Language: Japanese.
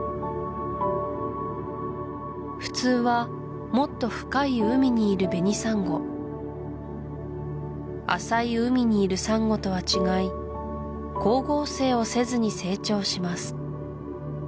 普通はもっと深い海にいるベニサンゴ浅い海にいるサンゴとは違い光合成をせずに成長します